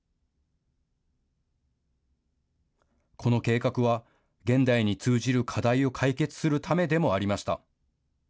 この計画は、現代に通じる課題を解決するためでもありました。